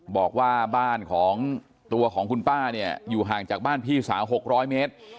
บอกว่าบ้านของตัวของคุณป้าเนี่ยอยู่ห่างจากบ้านพี่สาว๖๐๐เมตร